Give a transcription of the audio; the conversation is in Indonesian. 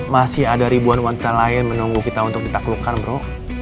masih ada ribuan wanita lain menunggu kita untuk ditaklukkan bro